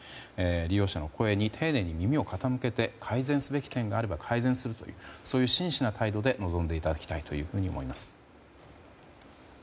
利用者の声に丁寧に耳を傾けて改善すべき点があれば改善するというそういう真摯な態度で臨んでいただきたいというふうに思います。